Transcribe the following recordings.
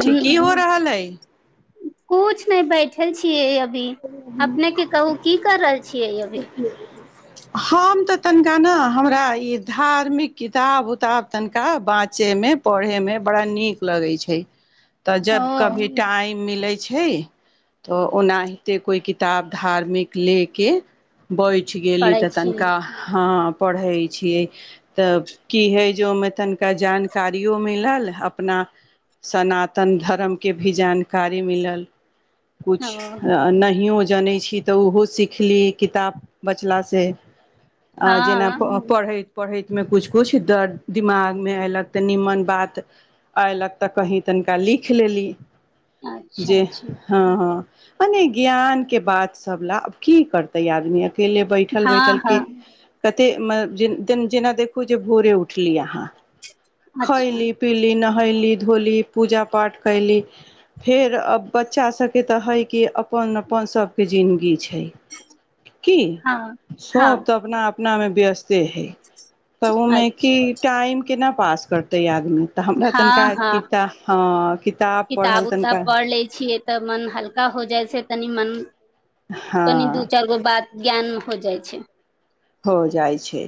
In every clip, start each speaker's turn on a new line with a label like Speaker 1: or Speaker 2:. Speaker 1: जी की हो रहल हइ
Speaker 2: कुछ नहि बैठल छियै अभी अभी अपने के कहू की कर रहल छियै अभी
Speaker 1: हम तऽ तनिका न हमरा ई धार्मिक किताब उताब तनिका बाँचयमे पढ़यमे बड़ा नीक लगै छै तऽ
Speaker 2: ओ
Speaker 1: जब कभी टाइम मिलै छै तऽ ओनाहि त कोइ किताब धार्मिक ले के बैठ गेली
Speaker 2: पढ़ै
Speaker 1: तऽ
Speaker 2: छियै
Speaker 1: तनिका हँ पढ़ै छियै तऽ की हइ जे ओहिमे तनिका जानकारियो मिलल अपना सनातन धर्मके भी जानकारी मिलल
Speaker 2: हँ
Speaker 1: किछु नहियो जनै छी तऽ ओहो सिखली किताब बचलासँ आ जेना
Speaker 2: हँ
Speaker 1: पढ़ैत पढ़ैतमे किछु किछु दर दिमागमे अयलक तऽ निमन बात अयलक तऽ कहीँ तनिका लिख लेली
Speaker 2: अच्छा
Speaker 1: जे
Speaker 2: अच्छा
Speaker 1: हँ हँ मने ज्ञान के बात सब ला आब की पढ़तै आदमी के ले बैठल
Speaker 2: हँ
Speaker 1: बैठल के
Speaker 2: हँ
Speaker 1: कते जेना देखु जे भोरे उठली अहाँ
Speaker 2: अच्छा
Speaker 1: खैली पीली नहै ली धोली पूजा पाठ कैली फेर आ बच्चा सब के तऽ हय कि अपन अपन सबके जिनगी छै की
Speaker 2: हँ हँ
Speaker 1: सब तऽ अपना आप अपनामे व्यस्ते हय तऽ ओमे
Speaker 2: अच्छा
Speaker 1: की टाइम केना पास करतेै आद तऽ हमरा तनिका
Speaker 2: हँ हँ
Speaker 1: किताब हँ किताब पढ़ल तनिका
Speaker 2: से तनी मन
Speaker 1: हँ
Speaker 2: कनि दू चारि गो बात ज्ञान हो जाइ छै
Speaker 1: हो जाइ छै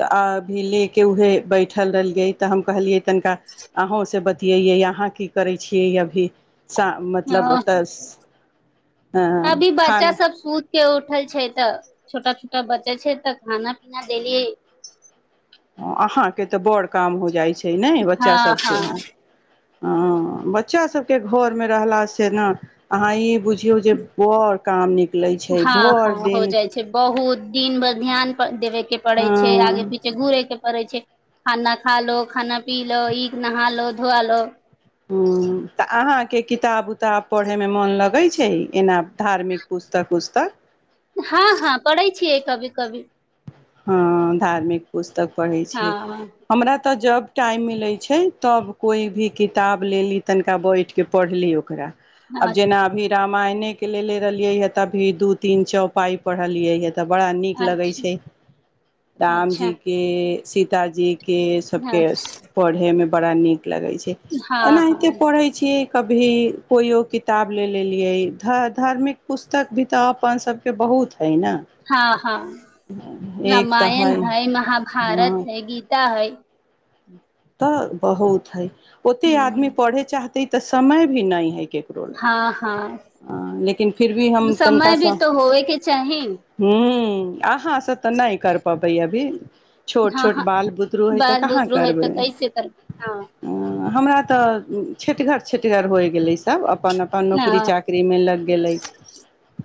Speaker 1: तऽ अ अभी लऽ कऽ उएह बैठल रहलियै तऽ हम कहलियै तनिका अहूँसँ बतियैयै अहाँ की करै छियै अभी च
Speaker 2: ओ
Speaker 1: मतलब ओतऽ
Speaker 2: अभी बच्चा
Speaker 1: खाना
Speaker 2: सब सु के उठल छै तऽ छोटा छोटा बच्चा छै तऽ खाना पीना देलियै
Speaker 1: अहाँ के तऽ बड़ काम हो जाइ छै छै नहि
Speaker 2: हँ
Speaker 1: बच्चा सभसँ
Speaker 2: हँ
Speaker 1: हँ बच्चा सभके घरमे रहलास से ने अहाँ ई बुझियौ जे बर काम नीक
Speaker 2: हँ हँ हो जाइ छै बहुत दिन भर ध्यान कथि दि के पड़े छै आगे
Speaker 1: हँ
Speaker 2: पीछे घूुरे के पड़े छै खाना ख लो खाना पीलो ईख नह लो धुआलो
Speaker 1: ह तऽ अहाँके किताब उताब पढ़यमे मोन लगै छै एना धार्मिक पुस्तक उुस्तक
Speaker 2: हँ हँ पढ़ै छियै कभी कभी
Speaker 1: हँ धार्मिक पुस्तक तक पढ़ै छियै
Speaker 2: हँ
Speaker 1: हमरा तऽ जब टाइम मिलै छै तब कोइ भी किताब लेली तनिका बैठिक पढ़ली ओकरा अब जेना अभी रामायणे के लेल ए रहलिये हे त अभी दू तीन चौ पाई पढ़लिये हे तऽ बड़ा नीक
Speaker 2: अच्छा
Speaker 1: लगै छै राम जी
Speaker 2: अच्छा
Speaker 1: के सीतााजीक के सबके
Speaker 2: हँ
Speaker 1: पढ़े मे बड़ा नीक लगै छै
Speaker 2: हँ
Speaker 1: एनाहिते
Speaker 2: हँ
Speaker 1: पढ़ै छीय कभी कोइओ किताब ले लेलिै धार्मिक पुस्तक भी तऽ अपन सबके बहुत है ने
Speaker 2: हँ हँ
Speaker 1: एक तऽ
Speaker 2: रामायण
Speaker 1: हइ
Speaker 2: है
Speaker 1: हँ
Speaker 2: महाभारत है गीता हाँ हे
Speaker 1: तऽ बहु इ ओते आदमी
Speaker 2: हूँ
Speaker 1: पढ़े चाहत तऽ समय भी न हय करो
Speaker 2: हँ हँ
Speaker 1: लेकिन फिर भी हम
Speaker 2: समय भी
Speaker 1: तनिकासँ
Speaker 2: तो होवे के चाही
Speaker 1: ह आ हाँँ तऽ नहि कर प भैया भी छोट
Speaker 2: हँ
Speaker 1: छोट
Speaker 2: हँ
Speaker 1: बाल बुतरू होइ तक
Speaker 2: बाल बुतरू है तऽ कैसे करब हँ
Speaker 1: हमरा तऽ छटिगर छटगर होइ गेलै सब अपन अपन नौकरी
Speaker 2: हँ
Speaker 1: चाकरी मे लग गेलै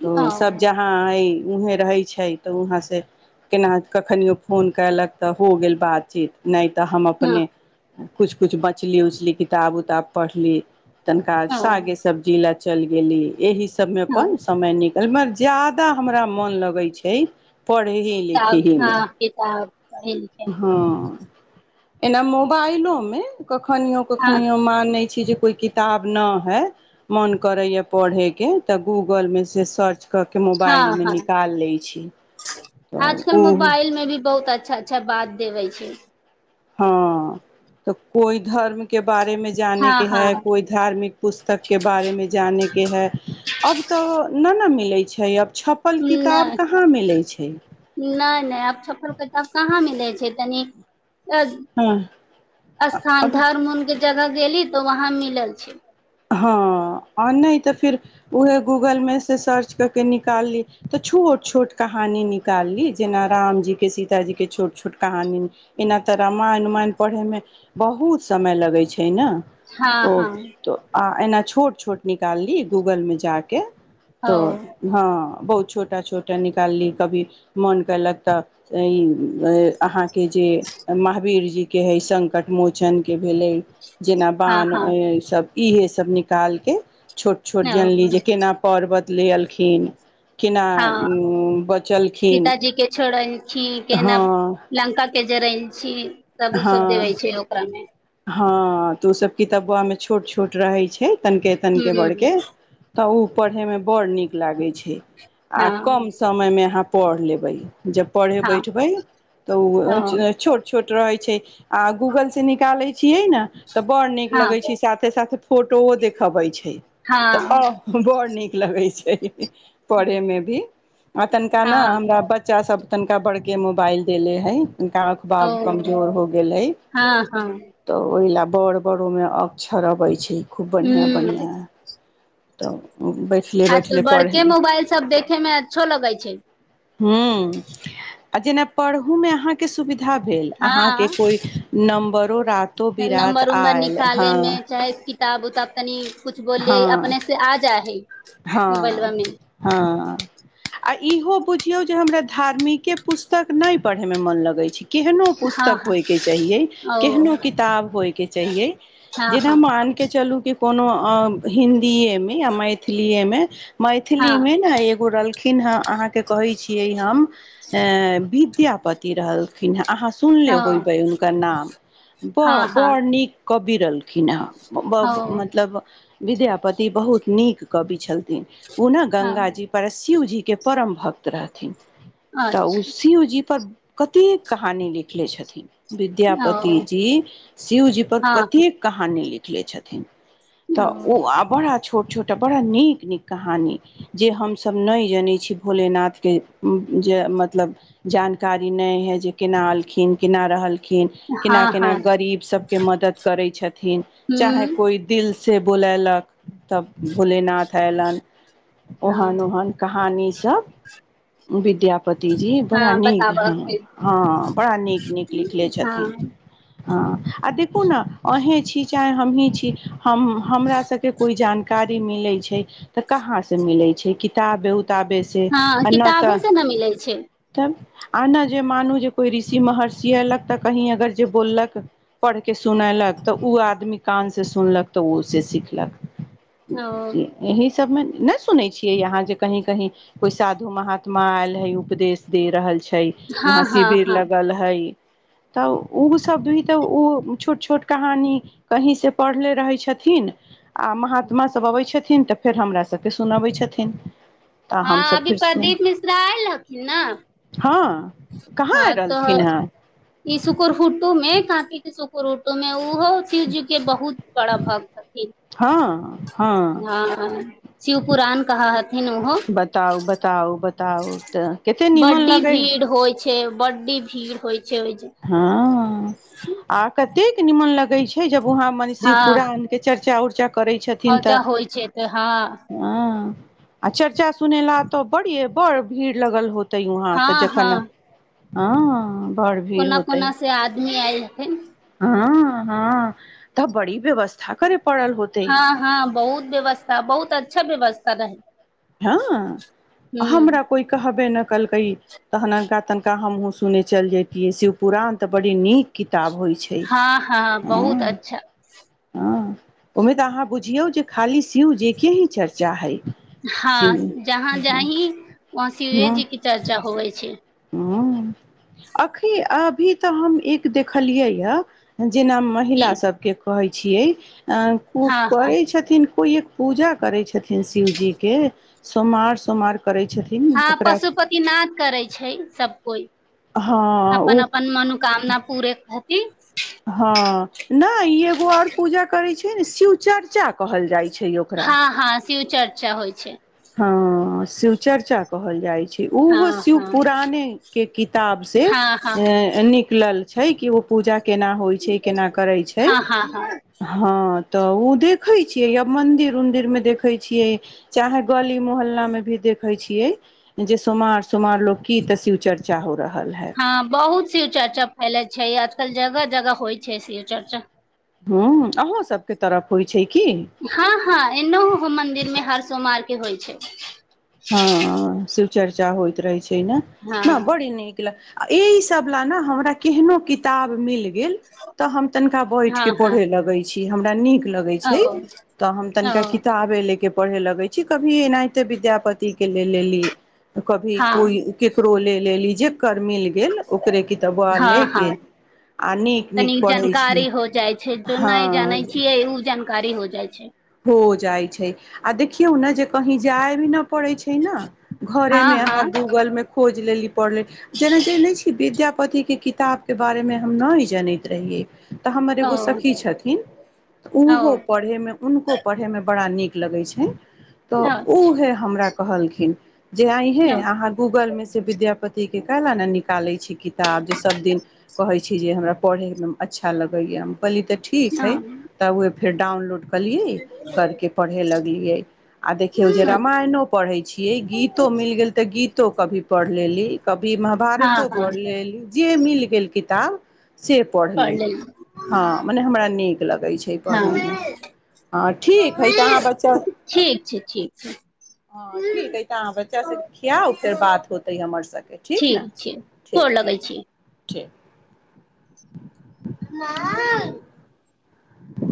Speaker 1: तऽ सब
Speaker 2: ओ
Speaker 1: जहाँ हइ उहे रहै छै तऽ वहाँसँ केना कखनियो फोन कयलक तऽ हो गेल बातचीत नहि तऽ हम
Speaker 2: हँ
Speaker 1: अपने किछु किछु बचली उछली किताब उताब पढ़ली तनिका
Speaker 2: हँ
Speaker 1: सागे सब्जी ले चल गेल एहि सबमे
Speaker 2: हँ
Speaker 1: अपन समय निक तर जाादा हमरा मोन लगैत छै पढ़े ही लिखे
Speaker 2: किताब
Speaker 1: ही मे
Speaker 2: हँ किताब पढ़ै लिखै
Speaker 1: हँ एना मोबा आइल अमे कखनियो
Speaker 2: हँ
Speaker 1: कखनियो मान छी जे कोइ किताब नहि है मन करैए पढ़यके तऽ गूगलमे से सर्च कऽ के
Speaker 2: हँ
Speaker 1: मोबाइलमे
Speaker 2: हँ
Speaker 1: निकाल लै छी तऽ ओ
Speaker 2: आजकल मोबाइल में भी बहुत अच्छा अच्छा बात देबे छै
Speaker 1: हँ तऽ कोइ धर्म के बारेमे
Speaker 2: हँ
Speaker 1: जानैके हय
Speaker 2: हँ
Speaker 1: कोइ धार्मिक पुस्तकके बारेमे जानैके हय अब तऽ नहि मिलै छै अब छपल किताब
Speaker 2: नहि
Speaker 1: कहाँ मिलै छै
Speaker 2: नहि नहि आब छप्पल क तब कहाँ मिलै छै तनी
Speaker 1: हँ
Speaker 2: स्थान
Speaker 1: अब
Speaker 2: धर्म उ के जगह गेली तो वहाँं मिलल छै
Speaker 1: हँ आ नहि तऽ फिर उएहे गूगलमे सँ सर्च कऽ के निकालली तऽ छोट छोट कहानी निकालली जेना रामजीके सीताजीके छोट छोट कहानी एना तऽ रामायण उमायण पढ़ैमे बहुत समय लगैत छै ने
Speaker 2: हँ
Speaker 1: ओ
Speaker 2: हँ
Speaker 1: तऽ आ एना छोट छोट निकालली गूगलमे जाके
Speaker 2: ओ
Speaker 1: तऽ हँ बहुत छोटा छोटा निकालली कभी मोन कयलक तऽ ई अहाँके जे महावीर जीके हइ सङ्कट मोचनके भेलै जेना
Speaker 2: हँ
Speaker 1: बान्धह
Speaker 2: हँ
Speaker 1: ईसभ इहे सभ निकालिके छोट छोट जानली जे केना पर्वत ले एलखिन केना
Speaker 2: हँ
Speaker 1: बचलखिन
Speaker 2: सीतााजी के छोड़ै छी केना
Speaker 1: हँ
Speaker 2: लंका के जर छी सब ओ सब
Speaker 1: हँ
Speaker 2: देवे छै ओकरामे
Speaker 1: हँ तऽ ओ सब कितबा मे छोट छोट रहे छै तनकेे
Speaker 2: ह
Speaker 1: तनिके बढ़के तऽ ओ पढ़य मे बडड़ नीक लागै छै
Speaker 2: हँ
Speaker 1: क पढ़ लेबै जब पढ़े
Speaker 2: हँ
Speaker 1: बैठबे
Speaker 2: ओ
Speaker 1: तऽ छोट छोट रहै छै आ गूगल से निकालै छियै ने तऽ बड़ नीक
Speaker 2: हँ
Speaker 1: लगै छी साथे साथे फोटोो देखाबै छै
Speaker 2: हँ
Speaker 1: तऽ बर नीक लगै छै पढ़ेमे भी आ तनिका ने
Speaker 2: हँ
Speaker 1: हमरा बच्चा सब तनिका बड़के मोबाइल देले हइ
Speaker 2: ओ
Speaker 1: गकबाब हो गेल
Speaker 2: हँ हँ
Speaker 1: बड़ बड़ ओमे अक्षर अबै छै खूब बढ़िआँ
Speaker 2: हूँ
Speaker 1: बढ़आ तऽ बैठले बैठले
Speaker 2: आजकल बड़के
Speaker 1: पढ़ली
Speaker 2: मोबाइल सब देखेमे अच्छो लगै छै
Speaker 1: हूँ आ जेना पढ़ू में अहा के सुविधा भेल अहा के
Speaker 2: हँ
Speaker 1: कोई नमबर रत बिीरात आयल हँ
Speaker 2: क तबु तब तनि कुछु बोलले
Speaker 1: हँ
Speaker 2: अपने से आ जा है
Speaker 1: हँ
Speaker 2: मोबाइल वामे
Speaker 1: हँ आ इहो बुझियौ जे हमरा धार्मिके पुस्तक नहि पढ़य मे मन लगै छै केहनो
Speaker 2: हँ
Speaker 1: पुस्तक
Speaker 2: हँ
Speaker 1: होइ के चाहिये
Speaker 2: ओ
Speaker 1: केहनो किताब होइ के चाहियए
Speaker 2: हँ
Speaker 1: जेना
Speaker 2: हँ
Speaker 1: मान के चलू कि कोनो अ हिन्दी एमे आ मैथिलथी एमे मैथिली
Speaker 2: हँ
Speaker 1: मे ने एगो र खिन ह अहाँके कहै छियै हम विद्यापति रहलखिन हे अह सुन ले
Speaker 2: ओ
Speaker 1: होईब हुनकर नाम
Speaker 2: हँ हँ
Speaker 1: बड़ नीक भी रहलखिन हेँ ब
Speaker 2: ओ
Speaker 1: मतलब विद्यापति बहुत नीक कवि छलथिन पुनः
Speaker 2: हँ
Speaker 1: गङ्गा ज परस्यी होज के परम भक्त रहथिन तऽ उसी उजी पर कतेक कहानी लिखले छथिन
Speaker 2: अच्छा
Speaker 1: विद्यापति
Speaker 2: ओ
Speaker 1: जी शिव जी पर
Speaker 2: हँ
Speaker 1: कतेक कहानी लिख ले छथिन तऽ ओ अबड़ा छोट छोटा बड़ा नीक नीक कहानी जे हमस नहि जनै छी भोलेनाथके जे मतलब जानकारी नहि हइ जे केना एलखिन केना रहलखिन
Speaker 2: हँ हँ
Speaker 1: ग म करै च
Speaker 2: हूँ
Speaker 1: से बोलैलक तब भोलेनाथ अयलनि
Speaker 2: हँ
Speaker 1: ओहन ओहन कहानी विद्याप पतिजी बड़ा
Speaker 2: हँ
Speaker 1: नीक
Speaker 2: बताबऽ
Speaker 1: ह
Speaker 2: फेर
Speaker 1: हँ बड़ा नीक नीक लिखले
Speaker 2: हँ
Speaker 1: छथिन हँ आ देखू ने अहीँ छी चाहे हमहीँ छी हम हमरा सबके कोइ जान ी मिले छै तऽ कहाँ से मिले छै किताब
Speaker 2: हँ किताबोसँ ने मिलै छै
Speaker 1: तब आ ने जे मानू जे कोई ऋषि महर्षि एलक तऽ कही अगर जे बोललक पढ़के सुनेलक तऽ ओ आदमी कान से सुनलक तऽ ओ उे सिखलक
Speaker 2: ओ
Speaker 1: एहि सब मे ने सुने छीिये यहाँ जे कही कही कोई साधु महात्मा आयल हे उपदेश दे रहल छै
Speaker 2: हँ
Speaker 1: वहाँ
Speaker 2: हँ
Speaker 1: शिविर
Speaker 2: हँ
Speaker 1: लगल है तऽ ओ सब भी तऽ ओ छोट छोट कहानी कहींसँ पढ़ले रहै छै छथिन आ महात्मा सब अबै छथिन तऽ फेर हमर सभके सुनबै छथिन तऽ
Speaker 2: हँ
Speaker 1: हमसब
Speaker 2: अभी
Speaker 1: फेर
Speaker 2: प्रदीप मिश्रा आयल हखन ने
Speaker 1: हँ कहाँ आय
Speaker 2: हँ तो
Speaker 1: रहलखिन हेँ
Speaker 2: ई शकुर फुटटू मे काँपी के सुक प ओहिमे ओहो च ज के बहुत बड़ा भक्त छथिन
Speaker 1: हँ हँ
Speaker 2: पुराण कहा हथिन ओहो
Speaker 1: बताउ बताउ बताउ तऽ कते नीमन
Speaker 2: बड्डी
Speaker 1: लगे
Speaker 2: भीड़ होइ बड्डी भीड़ होइ छै ओहि
Speaker 1: हँ आ तेक निीमन लगै छै जब वहा मने शिव पुरा आन के चर्चा उ
Speaker 2: आजा होइ छै तऽ हँ
Speaker 1: हँ आ चर्चा सुने ल तऽ बड़िए बड़ भीड़ लगल होत त हँ तऽ जखन ह ब
Speaker 2: कोना कोना से आदमी आइ छथिी
Speaker 1: ह हँ तऽ बड़ी व्यवस्था कर
Speaker 2: हँ हँ बहुत व्यवस्था बहुत अच्छा व्यवस्था रहै
Speaker 1: हँ
Speaker 2: हूँ
Speaker 1: हमरा कोइ कहबे नहि कहलकै तहनननका तनिका हमहुँ सुन चलि जैतियै शिव पुराण तऽ बड़ी नीक क
Speaker 2: हँ हँ बहुत अच्छा
Speaker 1: हँ ओहिमे तऽ अहाँ बुझियौ जे खाली सीू जे के ही चर्चा हइ शिव
Speaker 2: हँ जहाँ जा ही वहााँ शिवे जी के चर्चा होवे छै
Speaker 1: अख अभी तऽ हम एक देखलियै जेना
Speaker 2: की
Speaker 1: महिला सबके कहै छियै कू
Speaker 2: हँ हँ
Speaker 1: करै छथिन को एक पूजा करे छथिन शिवजी के सोमार सोमार के
Speaker 2: हँ पशुपति नाद करै छै सब कोइ
Speaker 1: हँ ओ
Speaker 2: अपनन अपन मनोोकामना पूरे हो क
Speaker 1: हँ नहि ई एगो आओर पूजा करै छै ने शिव चर्चा कहल जाइ छै छै ओकरा
Speaker 2: श्यू चर्चा होइ छै
Speaker 1: ह शिवचर्चा कहल जाइ छै
Speaker 2: हँ
Speaker 1: उहो शिव
Speaker 2: हँ
Speaker 1: पुरााने के किताब से
Speaker 2: हँ हँ
Speaker 1: निकलल छै कि ओ पूजा केना होइ छै केना करै छै
Speaker 2: हँ हँ हँ
Speaker 1: हँ तऽ ओ देखे छियै यब मंदिर उंदिर में देखे छियै चाहे गली मोहल्ला में भी देखे छीये जे सोमार सोमार लोग की त शिव चर्चा होत
Speaker 2: हँ बहुत सी चर्चा फैले छै आज क जगह जगह होइ छै से चर्चा
Speaker 1: ह अहॅं सबके तरफ होइ छै की
Speaker 2: हँ हँ ए हो मंन्दिर में हर सोमाल के होइ छै
Speaker 1: हँ चर्चा होइत रहै छै
Speaker 2: हँ
Speaker 1: न बढ़ी न इ सब ले ने हमरा केहनो किताब मिल गेल तऽ हम तनिका बैठ
Speaker 2: हँ
Speaker 1: के
Speaker 2: हँ
Speaker 1: पढ़े लगे छी छी हमरा नीक लगै
Speaker 2: ओ
Speaker 1: छै तऽ हम तनिका
Speaker 2: ओ
Speaker 1: किताबे ले के पढ़े लगे छै कभी एनाहिते विद्यापति तीके लेल लेली कभी कोइ
Speaker 2: हँ
Speaker 1: केकरो ले ले ली ओकर मिल गेल ओकरे कितबआ
Speaker 2: हँ
Speaker 1: लऽ क
Speaker 2: हँ
Speaker 1: आ नीक नीक
Speaker 2: तनी
Speaker 1: पढ़ै छै
Speaker 2: जानकारी हो जाइ छै जो
Speaker 1: हँ
Speaker 2: नहि जानै छियै ओ जानकारी हो जाइ छै
Speaker 1: जाइ छै आ देखियौ ने जे कही जाइी छै घरे
Speaker 2: हँ
Speaker 1: मेह
Speaker 2: हँ
Speaker 1: गूगल मे खो जेिल लिप प जेना जे नहि वि्य पति के किताब के बारे मे हम न जनैत रहियै तऽ हमर
Speaker 2: ओ
Speaker 1: एगो सखी छथिन
Speaker 2: ओ
Speaker 1: ओहो पढ़ैमे उनको पढ़ेमे बड़ा नीक लगैत छै तऽ ओ
Speaker 2: अच्छा
Speaker 1: है हमरा कहलखिन जे आई हे अहाँ गूगल में से विद्यापति के क ल ने निकाले छी किताब जे सब दिन कहे छै छी जे हमरा पढ़ैमेदम अच्छा लगैए पली तऽ ठीक है
Speaker 2: हँ
Speaker 1: तऽ फेरडाउनलोड कलियए करके पढ़े लग इ ह आ देखियौ जे रामायणो पढ़ै छियै गीतो मिल गेल तऽ गीत क तो कभी पढ़ लेली कभी
Speaker 2: हँ
Speaker 1: महाभारतो पढ़ लेली जे मिल गेल किताब से
Speaker 2: पढ़
Speaker 1: पढ़ली
Speaker 2: लेली
Speaker 1: हँ मने हमरा नीक लगैत छै
Speaker 2: हँ
Speaker 1: पढ़यमे हँ ठीक हइ तऽ अहाँ बच्चा
Speaker 2: ठीक छै ठीक छै
Speaker 1: हँ ठीक हइ तऽ अहाँ बच्चा सभके खियाउ फेर बात होतै हमर सभके ठीक ने
Speaker 2: छै
Speaker 1: ठीक
Speaker 2: गोर लगै छी
Speaker 1: ठीक ठ
Speaker 2: [unintelligible]
Speaker 1: [unintelligible]